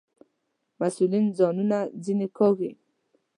مسئولین ځانونه ځنې کاږي.